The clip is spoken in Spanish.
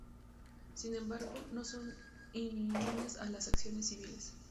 Sin embargo, no son inmunes a las acciones civiles.